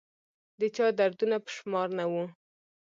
د چا دردونه په شمار نه وه